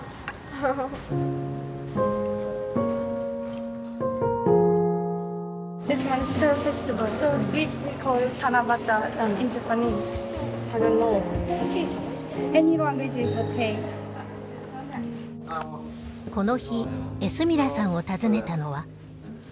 この日エスミラさんを訪ねたのは輪島市の職員。